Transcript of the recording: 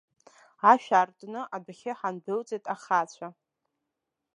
Ашә аартны адәахьы ҳандәылҵит ахацәа.